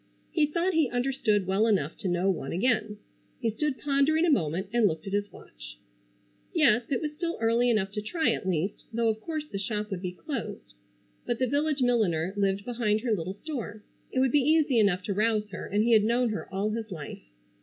He thought he understood well enough to know one again. He stood pondering a moment, and looked at his watch. Yes, it was still early enough to try at least, though of course the shop would be closed. But the village milliner lived behind her little store. It would be easy enough to rouse her, and he had known her all his life.